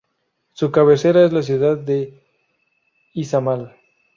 Su cabecera es la ciudad de Izamal.